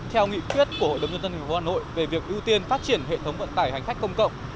theo nghị quyết của hội đồng nhân dân tp hà nội về việc ưu tiên phát triển hệ thống vận tải hành khách công cộng